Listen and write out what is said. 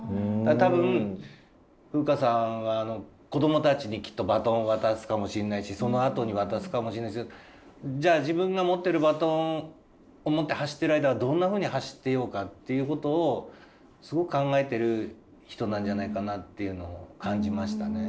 多分風夏さんは子どもたちにきっとバトンを渡すかもしんないしそのあとに渡すかもしんないですけどじゃあ自分が持ってるバトンを持って走ってる間はどんなふうに走ってようかっていうことをすごく考えてる人なんじゃないかなっていうのを感じましたね。